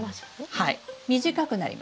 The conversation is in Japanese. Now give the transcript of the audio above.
はい短くなります。